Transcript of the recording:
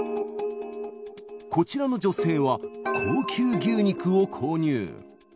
こちらの女性は、高級牛肉を購入。